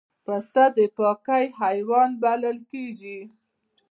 پسه د پاکۍ حیوان بلل شوی.